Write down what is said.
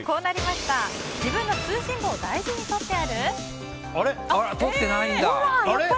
自分の通信簿を大事にとってある？